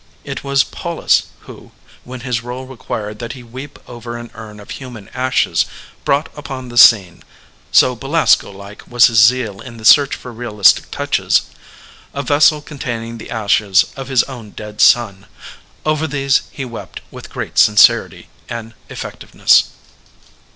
It was Polus who, when his role required that he weep over an urn of human ashes, brought upon the scene — so Belasco like was his zeal in the search for realistic touches — a vessel containing the ashes of his own dead son; over these he wept with great sincerity and effectiveness.